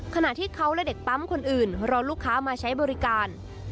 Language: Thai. ขณะที่เขาและเด็กปั๊มคนอื่นรอลูกค้ามาใช้บริการ